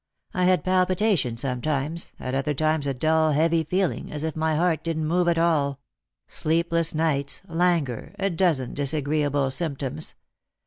I had palpitation sometimes, at other times a dull heavy feeling, as if my heart didn't move at all ; sleepless nights, languor, a dozen disagreeable symptoms.